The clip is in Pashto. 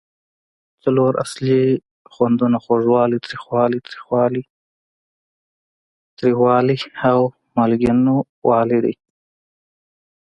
څلور اصلي خوندونه خوږوالی، تریخوالی، تریوالی او مالګینو والی دي.